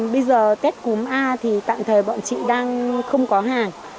bây giờ tết cúm a thì tạm thời bọn chị đang không có hàng